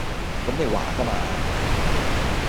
咁你話架嘛